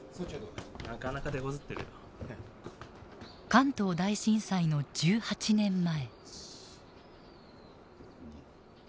関東大震災の１８年前。